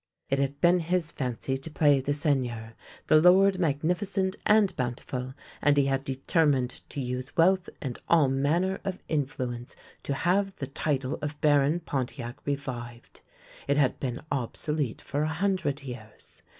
It had been his fancy to play the Seigneur, the lord magnificent and bountiful, and he had determined to use wealth and all manner of influence to have the title of Baron Pontiac revived — it had been obsolete for a hundred years.